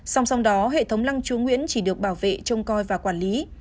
song song đó hệ thống lăng chúa nguyễn chỉ được bảo vệ trông coi và quản lý